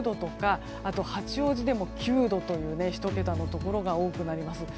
あと八王子でも９度という１桁のところが多くなります。